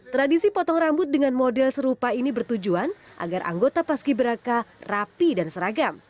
tradisi potong rambut dengan model serupa ini bertujuan agar anggota paski beraka rapi dan seragam